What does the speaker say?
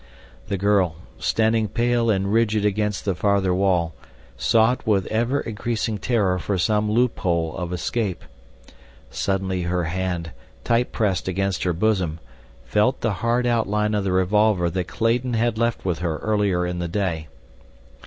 The girl, standing pale and rigid against the farther wall, sought with ever increasing terror for some loophole of escape. Suddenly her hand, tight pressed against her bosom, felt the hard outline of the revolver that Clayton had left with her earlier in the day.